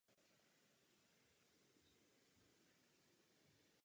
V jeho dílně se učili František Xaver Procházka a Ludwig Kohl.